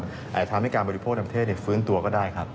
อาจจะทำให้การบริโภคทางเทศฟื้นตัวก็ได้ครับ